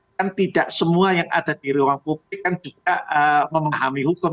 kan tidak semua yang ada di ruang publik kan juga memahami hukum